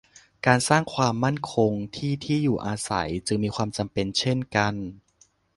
การสร้างความมั่นคงที่ที่อยู่อาศัยจึงมีความจำเป็นเช่นกัน